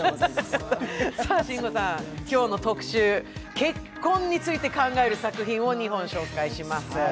慎吾さん、今日の特集、結婚について考える作品を２本紹介します。